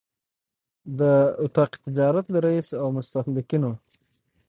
د اطاق تجارت له رئیس او د مستهلکینو